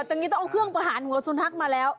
ตอนนี้ต้องเอาเครื่องประหารหัวสุนัขมาแล้ว